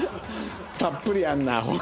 たっぷりあるな頬。